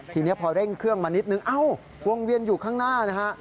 ทีนี้พอเร่งเครื่องมานิดนึงเอ้าวงเวียนอยู่ข้างหน้านะฮะ